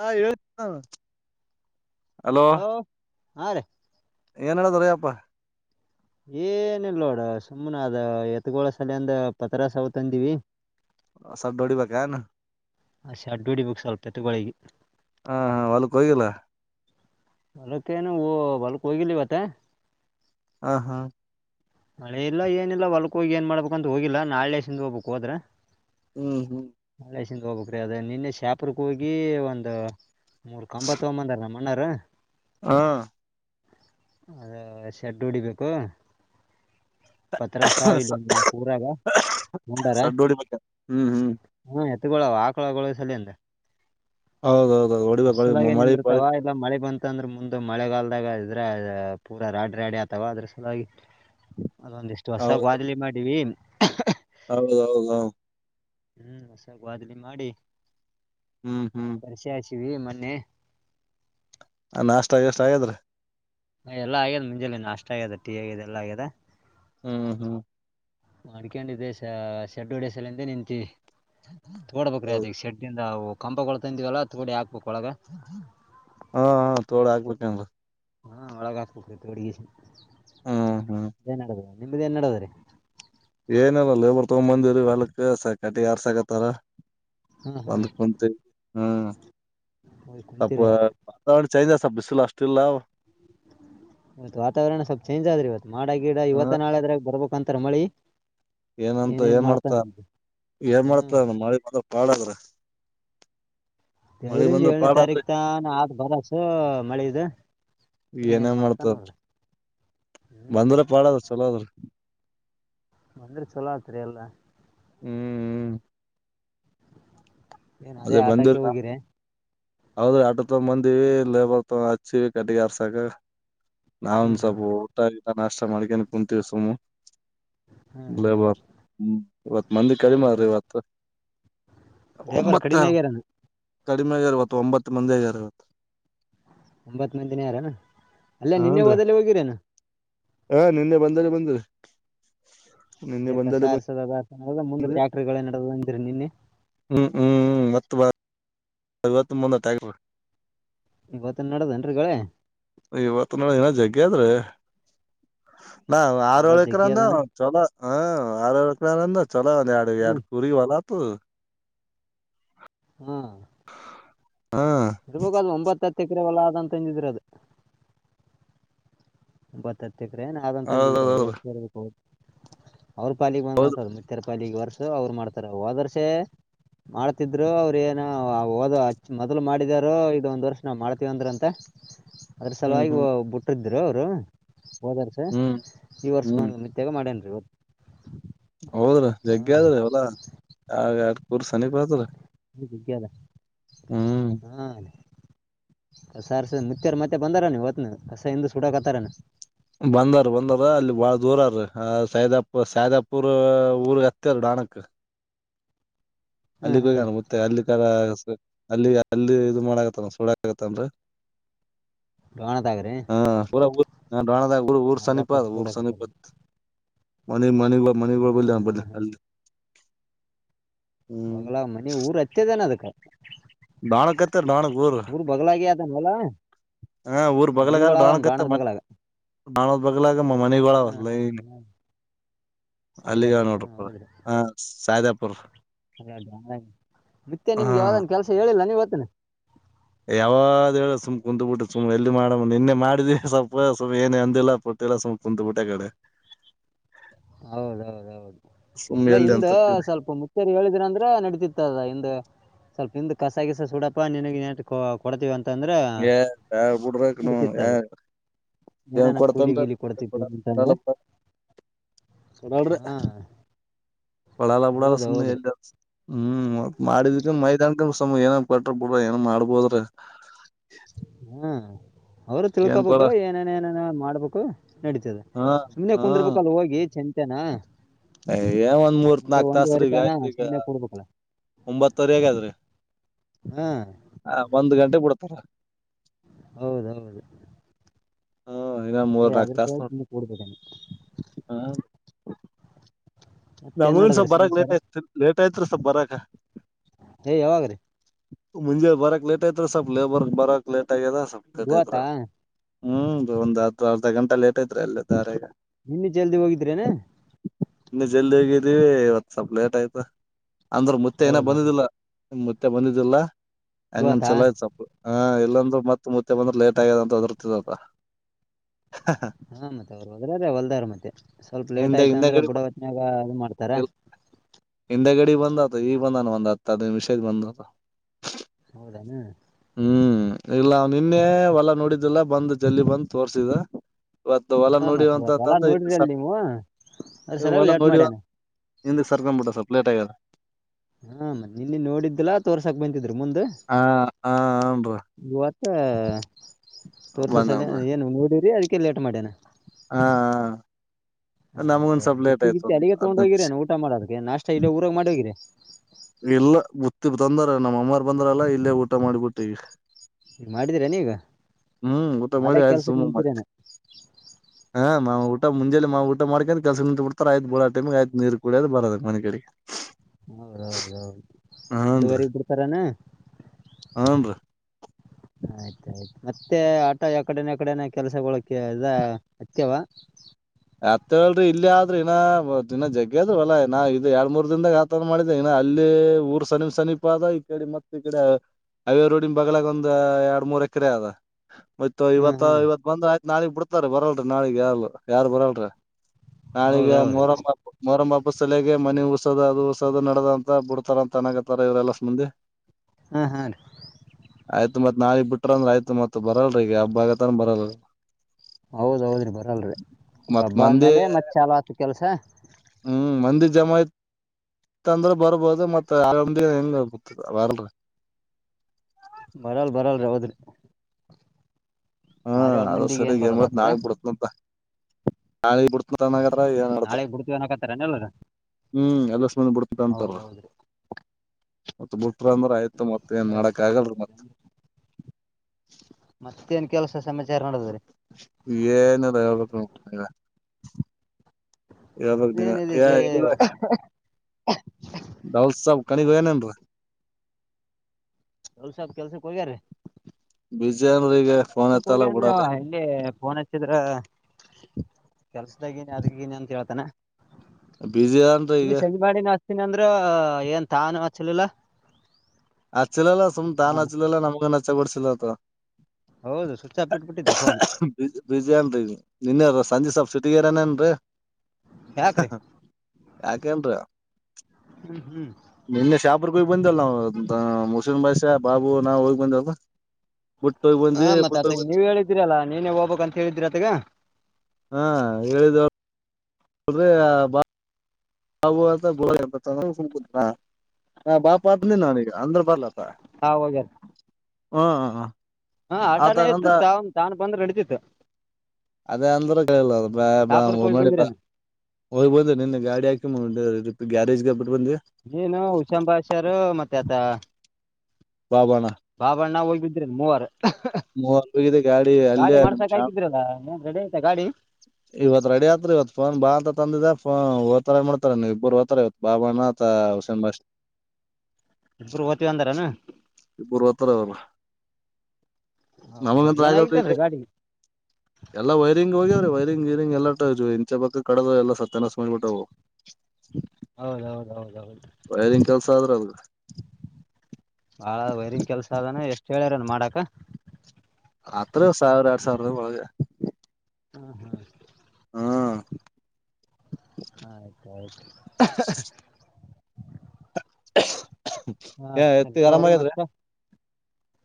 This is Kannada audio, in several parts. ಹಾ ಹೇಳ.. ಹಲೋ.. ಹಾ ರೀ.. ಕನ್ನಡದವರು ಎಪ್ಪಾ ಏನಿಲ್ಲೋಡ ಸುಮನ ಅದ ಎತಗೋಳ ಸಲ ಅಂದ ಪತ್ರರ ಸವ ತಂದಿವವಿ ಈ ಸಾದ್ ಹೊಡಿಬೇಕೇನು ಷಡ್ ಹೊಡಿಬೇಕ್ ಎತ್ತುಗಳಿಗೆ ಹಾ ಹಾ ಹೂಲ್ಕ್ ಹೋಗಿಲ್ಲ ಇವತ್ತೇನು ಹೂಲಕ್ಕೇನ್ ಹೋಗಿಲ್ವೇನೋ ಹ ಮಳೆ ಇಲ್ಲ ಏನಿಲ್ಲ ಹೊಲಕ್ ಹೋಗಿ ಏನ್ ಮಾಡ್ಬೇಕಂತ ಹೋಗಿಲ್ಲ ನಾಳೆಲೆಶನ್ದ ಹೋದ್ರೆ ಹೂ ಹೂ ಇಂದ ಹೋಗ್ಬೇಕ್ರೀ ಅದ ನಿನ್ನೆ ಶಾಪಪೂರ್ ಹೋಗಿ ಒಂದ್ ಮೂರ್ ಕಂಬತ್ ತಗೊ ಬಂದಾರ ನಮ್ಮ ಅಣ್ಣಾರ ಹಾ ಅದ ಶೆಡ್ ಹೂಡಿಬೇಕು ನಾಕ್ ಊರಾಗ ಮುಂದಾರ ಸಡ್ ಹೊಡಿಬೇಕ ಹೂ ಹೂ ತಗೊಳ ಆಕಳ ಸಲ ಎಂತ ಹೌದೌದೌದು ಹೊಡಿಬೇಕ ಹೊಡಿಬೇಕ ಬಿಸಲಾಗೆ ಮಳಿ ಪಳಿ ನಿಂದಿರ್ತಾವ ಇಲ್ಲ ಮಳೆ ಬಂತ ಅಂದ್ರೆ ಮುಂದೆ ಮಳೆಗಲ್ದಾಗ ಅ್ರ ಪೂರಾ ರಾಡಿ ರಾಡಿ ಅಥವಾ ಅದ್ರ ಸನ್ನಾಗಿ ಅದೊಂದಿಷ್ಟು ಹೊಸ ವಾದ್ಲಿ ಮಾಡೀ ಹ ಹೌದೌದು ಹಾ ಹ್ಮ್ ಹೊಸಾಗಿ ಬಾದ್ಲಿ ಮಾಡಿ ಹ್ಮ್ ಹ್ಮ್ ಕಿವವಿ ಮನ್ನೆ ನಾಷ್ಟ ಎಷ್ಟ ಆದ್ರ ಹ ಎಲ್ಲ ಮುಂಜೆ ಅಷ್ಟ ಆಗ್ಯದ ಟಿ ಆಗ್ಯಿದೆ ಎಲ್ಲ ಆಗ್ಯದ ಹ್ಮ್ ಹ್ಮ್ ಮಾಡ್ಕೊಂಡೆ ಶೆಡ್ಡು ಹೊಡಸಲೆಂತ ನಿಂತೀವಿ ತೋಡ್ಬೇಕ್ರೀ ಹೌದು ಈಗ ಶೆಡ್ದ ಕಂಪಗಳುಳ್ ತಂದಿವವಲ್ಲ ಹತ್ಗೂಡಿ ಹಾಕ್ಬೇಕಕ್ ಒಳಗೆ ಹಾ ಹಾ ತೋಡ ಆಗ್ಬಂಗ ಹಾ ಒಳಗ ಹಾಕತತಿತೆ ಅಡ್ಗ ಹ್ಮ್ ಹ್ಮ್ ಎನ್ ನೆಡದ ನಿಮ್ದ ಎನ್ಡದ್ರೀ ಏನಲ್ಲ ಲೇಬರ್ ತಗೊ - ಅಲ್ಕ್ ಸಕಟಿ ಯಾರ್ ಸಾಕತ್ತಾರ ಹಾ ಹಾ ಬಂದು ಕೊಂತ ಹ್ಮ್ ಹೋಗಿ ಅಪ್ಪ ಕುಂತೀರಿ ವಾತಾವರಣ ಚ ಬ್ಬಿಸಸ ಲ ಅಷ್ಟಟ್ರಲ್ಲ ತ್ ವಾತಾವರಣ ಸ್ವಲ್ಪ ಚೇಂಜ್ ಆದ್ರೆ ಇವತ್ ಮಾಡ ಗಿಡ ಇವತ್ತು ನಾಳದ್ರಾಗ ಬರ್ಬ ರೂಪ್ಪಾಂತರ ಮಳಿ ಏನಂತ ಏನೇನ್ ಏನ್ ಮಾಡ್ತ ಮಾಡ್ತಾನ ಏನ್ ಹ್ಮ್ ಮಾಡ್ತ ಮಿ ಬಂದ ಕಾಳದ್ರ ದೇವ್ರಂದ ಏಳನೇ ತಾರೀಕ್ ತಾನ ಆದ ಬರಸ ಮಳೆದು ಏನೇ ಏನೇನ್ ಮಾಡತ ಮಾಡ್ತಾರ ನೋಡ ಹ್ಮ್ ಬಂದ್ರ ಪಾಡದ್ರ ಚಲೋ ಅದ್ರ ಅಂದ್ರೆ ಚಲೋ ಆತ್ರಿ ಎಲ್ಲ ಹ್ಮ್ ಹ್ಮ್ ಏನ್ ಅದೇ ಆಟಕ್ಕೆ ಹೋಗಿರ ಹೌದ ಆಡ್ ತಗ್ ಬಂದಿವವಿ ಲೇಬರ್ ತೊ ಹಚ್ಚಿವವಿ ಕಟ್ಟಿಗೆ ಆರ್ಸಕ ನಾನ್ ಹ್ಮ್ ಹ್ಮ್ ಸ್ವಲ್ಪ ಊಟ ನಾಷ್ಟ ಮಾಡ್ಕೇನೆ ಕುಂತೀವಿ ಸುಮು ಹ್ಮ್ ಹ್ಮ್ ಲೇಬರ್ ಇವತ್ ಮಂದಿ ಕಡಿಮೆಾರ್ರಿ ಹೌದೌದು ಇವತ್ತು ಒಂಬತ್ತು ಅಡಿಮೇಗರ ಕಡಿಮೆಾಗ ಇರವತ್ತು ಒಂಬತ್ತು ಮಂದಿ ಆಾಗ ಇರ್ವತ್ ಒಂಬತ್ ಮಂದಿನ ಯಾರನ ಅಲ್ಲ ನಿನ್ನೆ ಹಓದದಲ್ಲಿ ಹೋಗಿರೇನ ಹಾ ನಿನ್ನೆ ಬಂದ್ರ ಬ ಕ ಸಾರಸದ ಮುಂದೆಟ್ಯಾಕ್ಟ್ರ ಗಳ ನಡ ಇದ್ರೆ ನಿನ್ನೆ ಹ್ಮ್ ಹ್ಮ್ ಹ್ಮ್ ಮತ್ತ ಐವತ್ತು ಮೂವತ್ತ ಆಬೇಕ. ಇವತ್ತನ್ ನಡದೇನ್ರಿಗಳೇ. ಅಯ್ಯೋ ಇವತ್ತು ಒಂದ್ ದಿನ ಜಗ್ಗೆದ್ರೆ. ನಾ ಆರ ಹೊಲ ಏಳು ಎಕರೆ ಜಗ್ಗಿ ಅಂದ್ರ ಅದಾನ ಚಲೋ ಹ ಆರು ಏಳು ಎಕರೆ ಅಂದ್ರ. ಚಲೋ ಆದ ಎರಡ ಹ್ಮ್ ಪುರಿ ವಲತು. ಹಾ. [unintelligible] ಇರ್ಬೇಕ್ ಅದು ಒಂಬತ್ತ ಹತ್ತು ಎಕ್ರೆ ಹೊಲ ಅದ. ಇಲ್ಲಂತಂದಿದ್ರ ಅದು. ಬತ್ತದೆ. ಹತ್ತ ಎಕರೆ ಏನ್ ಅಂತಂದಿದ್ರ ಅ ಹೌದೌದೌದ್ರಿ ಎಷ್ಟು ಬರ್ಬೇಕು. ಅವ್ರ ಪಾಲಿಗೆ ಬಂದತ ಮುತ್ಯಾರ ಪಾಲಿಗೆ ಬರ್. ಅವ್ರು ಮಾಡ್ತಾರ ಹೋದ ವರ್ಷ ಮಾಡ್ತಿದ್ರು ಅವ್್ರ ಏನ ಹಓದಚ್ಚ ಮೊದ್ಲು ಮಾಡಿದಾರೋ ಇದ ಒಂದ್ ವರ್ಷ ನಾವ್ ಮಾಡ್ತೀವಂದ್ರ ಅಂತ ಅದ್ರ ಹ್ಮ್ ಸಲುವಾಗಿ ಹ್ಮ್ ಬುಟ್ಟ್ರದೀ. ಇದ್ರ ಅವರು. ಹೋದ ವರ್ಷ ಹ್ಮ್ ಈ ವರ್ಷ ಬಂದು ಮತ್ಯಾಗ ಮಾಡೇನ್ ರಿ. ಹೌದ್ರ ಜಗ್ಗೆ ಹಾಂ ಅದ್ರ ಹೊಲ ಯಾರಯಾರ. ಪೂಲ ಸಮೀಪ ಆಗ್ತದ. ಗಲ್ಲ [unintelligible] ಹಾ. ಕಸ ಆರ್ಸವ್ ಮತ್ಯಾರ ಮತ್ತೆ ಬಂದಾರ ಕಸ ಹಿಂದ ಸುಡಕತಾರ. ಬಂದಾರ ಬಂದಾರ ಅಲ್ಲಿ ಬಾಳ ದೂರರ ಸೈದಾಪುರ್ ಸೈದಾಪುರ್ ಊರ್ಗ್ ಹತ್ತಾದ ರಣಕ ಹ್ಞೂ ಅಲ್ಲಿಗೆ ಹ್ಞೂ ಹೋಗಿನ ಮುತ್ಯಾ ಅಲ್ಲಿ ಕರ. ಅಲ್ಲಿ ಅಲ್ಲಿ ಇದು ಮಾಡಕತ್ತಲ್ಲ ಸುಳಗತ್ತನ್ರಿ. ರೋಣದಾಗ್ರಿ. ಹಾ. ರೋಣದಾಗ ಊರು ಸನೀಪ ಊರ್ ಸನಿಪ. ಮದ್ವಿ ಮನೆ ಮನ ಮನೆ ಹ್ಞೂ ಹ್ಞೂ ಅ ಹ್ಞೂ ಅ [unintelligible] ಬಗ್ಲಾಗ ಮನಿ ಊರ್ ಹತ್ತೇದನ ಅದಕ. ಬಾಳ ಅಕ್ಕೆತಿ [inaudible] ನಾಲ್ಕು ಊರು ವಲಾ [inaudible] ಹಾ ಊರ್ ಬಗ್ಲಗಾದ ಡಾಣಕತ್ತ ಮತ. ಬಗಲಾಗ ನಾ ಬಗ್ಲ. ನಮ್ಮ ಮನೆಗಳವ ಹಾಂ ಹಾಂ ಅಲ್ಲಿಗೆ ಸೈದಾಪುರ ನೋಡ್ರ [inaudible] ಸೈದಾಪುರ. ಬರ್ ಸರಿ ಮತ್ಯೆ ಹಾ ನಿಮ್ಗೆ ಯಾವ್ದನ್ ಕೆಲಸ ಹೇಳಿಲ್ಲ ನೀವ್ ಚ ಯಾವ್ದ್ ಹೇಳ ಸುಮ್ಮ ಕುತ್ಬಿಟ್ಟು ಸುಮ್ಮ್ ಎಲ್ಲಿ ಮಾಡ ನಿನ್ನೆ ಮಾಡಿದ ಸ್ವಲ್ಪ ಸ್ವಲ್ಪ ಏನೇ ಅಂದಿಲ್ಲ ಪತಿಲ್ಲ ಸುಮ್ ಕುತ್ಬಿಟ್ಟ ಆ ಕಡೆ ಹೌದೌದ ಹೌದು ಸುಮ್ ಇಲ್ಲ ಎಲ್ಲಿ ಹಿಂದ ಅಂತ ಸ್ವಲ್ಪ ಮುಚ್ಚರಿ ಹೇಳಿದ್ರ ಅಂದ್ರೆ ನಡತಿತ್ತದ ಹಿಂದ ಸ್ವಲ್ಪ ನಿಮ್ ಕಸಗಸ ಸುಡಪ್ಪಾ ನಿನಗ್ ಕೊಡ್ತೀವ ಅಂತ ಯ ಬಿಡ್ರಾ ಅದು ಏನಾನ ಕೂಲಿ ಕೊಡತಂತ ಗೀಲಿ ಮತ್ತ ಕೊಡ್ತಿತ್ತು ಕೊಡ ಅಂತಂದ್ರ ಕೊಡಾಲಡ ನಡಾವ್ರ ಹಾ ಕೂಡಾಲ ಬಿಡಾಲ ಹೌದ್ ಸುಮ್ಮನೆ ಹೌದ್ರಿ ಎಲ್ಲ ಹ್ಮ್ ಮಾಡಿದಕ್ಕೆ ಮೈದಾನಕ ಏನ ಕಟ್ರ ಬಿಡ್ರ ಏನ್ ಮಾಡ್ಬೋದ್ರ ಹ್ಮ್ ಅವರು ಏನ್ ಕೊಡ ತಿಳ್ಕೋಬೇಕು ಏನೇನ ಏನೇನ ಮಾಡ್ಬೇಕು ನಡೀತದೆ ಸುಮ್ಮ್ನೆ ಕುಂದರ್ಬೇಕ ಅ ಹೋಗಿ ಚ ಅಯ ಏ ಒಂದ್ ಮೂರ್ತ್ ಒಂದು ನಾಕ್ ತಾಸ್ರೀ ಒಂದುವರೆ ಈಗ ತನ ಆಯ್ತು ಈಗ ಸುಮ್ನೆ ಕೂಡ್ಬೇಕಲ್ಲ ಒಂಬತ್ತರೆ ಹೇಗಾದ್ರಿ ಹಾ ಆ ಒಂದ್ ಗಂಟೆ ಬಿಡ್ತ ತ ಹೌದೌದು ಹ ಹನಾ ಮರ ರಾಗತ ನ ಕೂಡ್ಬೇಕೇನ ಹ ಹ ಮತ್ತೇನ್ ನಮಗನ್ ಸ್ವಪ ನಡದ್ರಿ ಬರಕ್ ಸಮಾಚಾರ ಲೇಟ್ ಆಯ್ತ ಲೇಟ್ ಆಯ್ ಹತ್ರಸ ಬರಕ ಏಯ ಯಾವಾಗ್ರೀ ಮುಜೆ ಬರಕ್ ಲೇಟ್ ಐತ್ರ ಸ್ವಪ್ ಲೇಬರ್ ಬರಕಲೇಟ್ ಕಟದ ಸಬ್ ಕಟ್ಟತರ ಇವತ್ತಾ ಹ್ಮ್ ಒಂದು ಅರ್ಧ ಅರ್ಧ ಗಂಟಾ ಲೇಟ್ ಐತ್ರಿ ಅಲ್ಲ ದಾರಗ ನಿನ್ನೆ ಜಲ್ದಿ ಹೋಗಿದ್ರೇನೆ ನಿ ಜಲ್ದಿಗಿದ್ದೀವಿ ಇವತ್ ಸ್ವಲ್ಪ ಲೇಟ್ ಆಯ್ತಾ ಅಂದ್ರ ಮುತ್ತೆ ಏನ ಹೌದು ಬಂದಿದ್ದಿಲ್ಲ ಮುತ್ತೆ ಬಂದಿದ್ದಲ್ಲ ಹಂಗನ್ ಇವತ್ತಾ ಚಲೋ ಆಯತ್ ಸಪ್ಪ ಹ ಇಲ್ಲಾಂದ್ರರು ಮತ್ತ ಸುಂಬುತ್ತೆ ಬಂದ್ರೆ ಲೇಟ್ ಆಗ್ಯದ ಅಂತ ಅದರ್ತದತ್ತ ಹಾ ಮತ್ತೆ ಅವ್ರು ಹೋದ್ರದ ಹೊಲ್ದಾರ ಮತ್ತೆ ಸ್ವಲ್ಪ ಲೇಟ್ ಹಿಂದೆ ಯತ ಅಂದ್ರೆ ಹಿಂದಗಡಿ ಬುಡವತ್ನಾಗ ಅದು ಮಾಡ್ತಾರ ಹಿಂದೆ ಗಡಿ ಬಂದತ ಈ ಬಂದಾನ ಒಂದ ಹತ್ತು ಹತ್ತು ನಿಮಿಷದ ಬಂದತ ಹೌದಾನ ಹ್ಮ್ ಇಲ್ಲ ನಿನ್ನೆ ಹೊಲ್ಲ ನೋಡಿದ್ದಲ್ಲ ಬಂದ್ ಜಲ್ಲಿ ಬಂದ್ ತೋರ್ಸಿದ ಇವತ್ತು ಹೊಲ ಹಾ ಮತ್ ಇವತ್ ಹೊಲಾ ನೋಡಿವಂತಂದು ಹಿಂದ ನೋಡಿರಿ ಅಲ್ ಸರ್ ನೀವು ಅದ್ರ ಸಲುವಾಗಿ ಹೊಲ ಲೇಟ್ ನೋಡಿವ ಮಾಡ್ಯಾನ ಹಿಂದಿ ಸರ್ಕೊಂಡ್ಬಿಡ ಪ್ಲೇಟಗಲ್ಲ ಹಾ ನಿನ್ನೆ ನೋಡಿದ್ದಲಾ ತೋರ್ಸಾಕ್ ಬಂತಿದ್್ರರು ಮುಂದ [inaudible] ಹ ಹ [unintelligible] ಗವ [unintelligible] ಹ್ಮ ತೋರ್ಸ ಸಲ ಬಂದನ್ರಿ ಏನು ನೋಡಿರಿ ಲೇಟ್ ಮಾಡೆನೆ ಹಾ ಹಾ ಆಯ್ತಾಯಯ್ತು ಗುತ್ತಿ ಗಿತ್ತಿ ಅಲ್ಲಿಗೆ ಹದ್ ತಗೊಂಡ ನಿಮಿಷ ಹೋಗಿರೇ ಊಟ ಮಾಡೋದಕ್ಕೆ ನಾಷ್ಟ ಇಲ್ಲ ಊರಾಗ ಮಾಡ ಹೋಗಿರಿ ಇ ತಂದಾರ ನಮ್ಮ ಅಮ್ಮಾರ್ ಬಂದ್ರಲ್ಲಾ ಇಲ್ಲೇ ಊಟ ಮಾಡಿಬಿಟ್ಟು ಈ ಈಗ ಮಾಡಿದಿರೇನ ಈಗ ಹ್ಮ್ ಊತ್ತ ಮಾಡ ಮಾಡಾಕ್ ಆ ಕೆಲ್ಸಕ್ ಸುಮು ಮ ನಿಂತಿರೇನ ಹಾ ಮಾಮಊಟ ಊ ಮುಂಜೆ ಮಾ ಊಟ ಮಾಡ್ಕೊಂಡು ಕೆಲಸಂತ ಬಿಡ್ತಾರೆ ಆಯ್ತ ಬಳ ಟೈಮ ಆಯ್ತು ನೀರ್ ಕುಡಿಯದ ಬರೋದ ಮನೆಡೆಿಗೆ ಹೌ ರೌ್ ರಾಮ್ [inaudible] [inaudible] ಹನ್ರಿೀ ಹನ್ರಿೀ [inaudible] ಆಯ್ತಾಯಯ್ತು ಮತ್ತೆ ಆಟ ಯಕಡೆನ ಕಡೆನ ಕೆಲ್ಸಗಳಕ ಅದ ಹಚ್ಚವಾ ಅತ್ತ ಹೇಳೇಳ್ರಿ ಇಲ್ಲಿ ಆದ್ರಿ ಇನ ದಿನ ಜಗ್ಗ್ಯದರು ಅಲ್ಲಾ ನಾ ಇದು ಎರಡ್ ಮೂರ್ ದಿನದಾಗ ಆತದ ಮಾಡಿದ್ದ ಇನ್ನ ಅಲ್ಲಿ ಊರ್ ಸನೀಪ್ ಸಮನೀಪ್ ಅದ ಈ ಕಡೆ ಮತ್ತ ಈ ಕಡೆ ಅವ್ಯ ರೋಡನ್ ಬಗ್ಳಾಗ ಒಂದ್ ಎರಡ್ ಮೂರ್ ಎಕರೆ ಅದ [inaudible] ಮ್ತ್ ಹ್ಮ್ ಇವತ್ ಹ್ಮ್ ಇವತ್ ಬಂದ್ ಆಯ್ತ [unintelligible] ನಾಳಗ್ ಬಿಡ್ತಾರೆ ಬರಲ್ರಿ ನಾಳಗ್ ಯಾರು ಯಾರ್ು ಬರಲ್ರ ನಾಳಿಗೆ ಹೌದೌದ್ರಿ ಮೊರ ಮೊರಮ್ಮಾ ಸಲಯಗೆ ಮನೆಿ ಊಸೋದ ಅದು ಊರ್ಸೋ ನಡದ ಅಂತ ಬಿಡ್ತಾರ ಅಂತ ಅನಾಗತ್ತಾರ ಇವರೆಲ್ಲ ಮುಂದೆ ಹಾ ಹಾ ರೀ ನಾಗ್ ಬಿಟ್ರ ಅಂದ್ರ ಆಯ್ತು ಮತ್ತತ್ ಬರಲ್ರಿ ಈ ಹಬ್ಬ ಆಗತ್ತನ್ ಬರಲ್ ಹೌದ್ೌದ್ರಿ ಬರಲ್ರರಿ ಮತ್ ಹಬ್ಬ ಮಂದಿ ಅಂದ್ಮೇಲೆ ಮತ್ೆ ಶಾಲ ಆತ ಕೆಲ್ಸ ಹ್ಮ್ ಮಂದಿರ ಜಮ ಂದ್ರೆ ಬರ್ಬೋದು ಮತ್ತ ಆರ ಹೆಂಗತದ ಬರಲ್ರಿ ಬರಲ್ ಬರಲ್ರಿ ಹೌದ್ರಿ ಹ್ಮ ಆರೇಳ್ ಅದ ಮಂದಿಗೆ ಸರಿ ಏನ್ ಮತ್ ಬರೋದಾತದ ನಾಳ ಬಿಡತ್ನಂತ ನಾಳ ಬಿಡ್ತನ್ನಾಗತ್ರ ಈತ ನಾಳೆಗ್ ಬಿಡ್ತೀವಿ ಅನ್ನಕತ್ತಾರೇನ್ ಎಲ್ಲಾರ ಹ್ಮ್ ಅದು [inaudible] ದ್ ಬಿಡ್ತ ಅಂತಾರ ಹೌದೌದ್ರಿ ಮತ್ತತ್ ಬಿಟ್ರ ಅಂದ್ರ ಆಯ್ತ ಮತ್ ಏನ್ ಸರಿ ಮಾಡಡಕ್ ಸರಿ ಆಗಲ್ರರಿ ಸರಿ ಮತ್ತ ಮತ್ತೇನ್ ಕೆಲಸ ಸಮಾಚಾರ ನಡ್ದಿದ್ರಿ ಏನದ ಹೇಳ್ಬೇಕು ನೀವೇ ಯಾವಾಗಿನ ಏನಿದೆ ಯ ಇದೇ ಇಲ್ಲಿ ದೌಲ್ಸ ಹಾ ಕನಗನೆ ಲ್ಸಬ್ ಕೆಲ್ಸಕ್ ಹೋಗ್ಯಾರೀ ವಿಜಯ ವರ್ಷಕ್ ಹೋಗಿ ಅಂದ್ರೆ ಹೆಗೆ ಫೋನ್ ಚತ್ರರ ಕೆಲ್ಸದಾಗ ಏ ಅದಕ್ಕ ಏನ ಅಂತ ಹೇತಾನೆ ಬಸಿ ಅದನ್ರಿ ಈಗ ಹತಿನಿ ಅಂದ್ರ ಏನ್ ತಾನ ಹಚ್ಚಲಿಲ್ಲ ಅಚ್ಚಲಲ್ಲ ಸುಮ ತಾನನ್ ಅವ್ನು. ಅಚ್ಚಲಲ್ಲ ನಮಗೆ ನ ಬಡ್ಸಿಲ್ಲ ಹೌದು ಸ್ವಿಚ್ ಆಫ್ ಇಟ್ಬಿಟ್ಟಿದ್ದ ಫೋನ್ ಬಿಜ ಬಿಜಿ ಏನ್ರಿ ನಿನ್ನಯ ಸಂಜೆ ಸ್ವಲ್ಪ ಸುಟಿಗರನೇನ್ರರಿ ಯಾಕ್ರೀ ಯಾಕೇನ್ ರಿ ಹ್ಮ್ ಹ್ಮ್ [inaudible] ಬಂದಲ್ಲಾ ಅಂತ ಮುಸಿನ್ ಬಾಯಸ್ಯ ಬಾಬು ನಾವವು ಹೋಗಿ ಬಂದಲ್ವಾ ಹಾ ಮತ್ತೆ ಅತಗ ನೀವ ಹೇಳಿದ್ದೀರಿ ಅಲ್ಲಾ ನೀನೇ ಹೋಗ್ಬೇಕಂತ ಹೇಳಿದ್ರರಿ ಅತಗ ಹಾ ಹೇಳಿದ [unintelligible] ಹ ಅಂತ ಗೋಕ ಬಾಪಾತ ನನೀಗ ಅಂದ್ರ ಬರ್ಲ ಹಾ ಹೋಗ್ಯಾರ ಹ ಹ ಹ ಹಾ ಆಟಾನೇ ಇತ್ತು ತ್ ತಾನ ಬಂದ್ರ ರೆಡಿ ತ [inaudible] ಅದೇ ಅಂದ್ರೆ ಕ ಅ ಬ ಶಾಪುರಕ್ ಹೋಗಿ ಬ ಬಂದ್ರೇನು ಹೋಗಿ ಬಂದ ನಿನ್ನೆ ಗಾಡಿ ಹಾಕಿ ಗ್ಯಾರೇಜಗೆ ಏನು ಹುಷಾಂಬಾಷರ್ ಮತ್ತ ಆತ ಬಾ ಬಾ ಅಣ್ಣ ಬಾಬಣ್ಣ ಹೋಗಿ ಇದ್ರೇನ್ ಮೂವರ್ ಮೂವರ್ ಹೋಗಿದೆ ಅಲ್ಲೇ ಗಾಡಿ ನಿಮ್ ಶಾಪ್ ಮಾಡ್ಸಕಾಗಿದ್ರಲ್ಲ ನ್ ರೆಡಿ ಆಯ್ತ ಗಾಡಿ ಇವತ್ ರೆಡಿ ಆತ್ರಿ ಇವತ್ ಫೋನ್ ಬಾ ಅಂತ ತಂದಿದೆ ಫೋನ್ ಓತಾರ ಮಾಡ್ತಾರ ನೀವ್ ಇಬ್ಬರು ರೋತಾರ ಇವತ್ ಬಾ ಬಣ್ಣ ಹುಸನ್ ಬಸ್ ಇಬ್ರು ಹೋಗ್ತೀವಿ ಅಂದಾರನ ಬರ್ರುವತ್ತರ ಹೌದ್ ನಮಗ ಹೌದ್ ಆಗಲ್ ಏನಾಗಿತ್ತೇನ್ರಿ ಗಾಡಿ ಎಲ್ಲಾ ವೈರಿಂಗ್ ಹ್ಯ್ರೀ ವೈರಿಂಗ್ ಗೀರಿಂಗ ಎಲ್ಲಾ ಇಂಚ ಪಕ್ಕ ಕಡ ಎಲ್ಲ ಸತ್ಯನ ಮಾಡ್ಬಿಟ್ಟವು ಹೌದ್ ಹೌದ್ ಹೌದ್ ಹೌದ್ ದಿನ ಕೆಲ್ಸ ಆದ್ರ ಅ ಹ ಭಾಳ ಹ ಅತ್ರ ಸಾವಿರ ಎರಡ್ ಸಾವಿರ ಒಳಗೆ ಹೂ ಹೂ ಹಾ ಹ ಹ ಎತ್ತಿ ಆರಾಮಾಗಾದ್ರೆ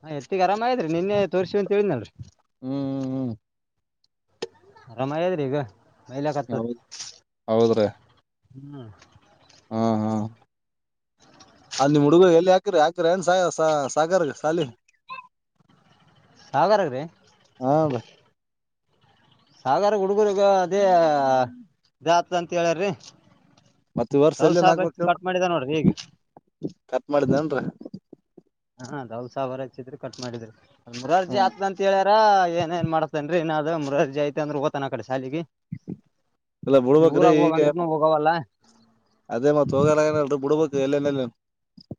ಹ ಎತ್ತಿಗೆ ಆರಾಮ ಆರೀ ನಿನ್ನೆ ತೋರ್ರಿಸಿ ಅಂತ ಹೇಳಿದ್ನಲ್ರಿ ಹೂ ಹೂ ಹೂ ಆರಾಮ್ ಆಗಿದ್ರೆ ಇವಾಗ ಹೌದ ಹೌದ್ರೀ ಹೂ ಹ ಹಾ ಅಲ್ಲಿ ನಿಮಹುಡ್ಗ್ರು ಎಲ್ಲಿಕಿರಿ ಹಾಕ್ರ ಏನ್ ಸಾಯಸ ಸಾಗರ್ ಶಾಲಿ ಅದರಲ್ಲಿ ಹಾ ರೀ ಸಾಗರ ಹುಡುಗರುಗ ಅದೇ ಜಾತ್ ಅಂತ ಹೇಳಾರಿ ಮತ್ತ ವರ್ಷ ಎಲ್ಲೇ ನಾಕ್ಬೇಕ ನೋಡ್ರಿ ಈಗ ಕಟ್ ಮಾಡಿದ್ದನ್ರ ಹಾ ಅದಾವ ಸಾವಿರ ಹಚ್ಚಿದ್ರು ಕಟ್ ಮಾಡಿದ್ರರು ಮೊರಾರ್ಜಿ ಹ ಹಾಕ್ನಿ ಅಂತ ಹೇಳ್ಯಾರ ಏನ್ಏನ್ ಮಾಡ್ತೇನ್ರೀ ನಾ ಮುರಾರ್ಜಿ ಐತೆ ಅ್ರ ಓತ ನ ಕಡೆ ಶಾಲೆಗೆ ಇಲ್ಲ ಬಿುಡ್ಬ್ರೀ ಈಗ ಹೋಗಂದ್ರನು ಹೋಗವಲ್ಲ ಅದೇ ಮತ್ ಹೋಗಾರಏನಲ್ರಿ ಬಿಡ್ಬ ಎಲ್ಲ ಮಲೆ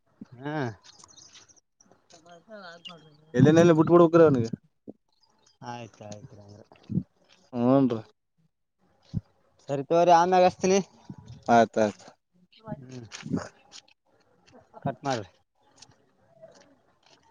ಹೂ ಎಲ್ಲನಲ್ಲ ಬಿಟ್ ಬಿಡ್ ಹಕ್ಕ್ರ ಅವನಗೆ ಆಯ್ತು ಆಯ್ತುಂಗ್ರ ಹ್ಞೂನ್ರಿ ಸರಿ ತಗೋರಿ ಆಮೇಲೆ ಅಚ್ಚಿನಿ ಆಯ್ತ -ಆಯ್ತ ಕಟ್ ಮಾಡು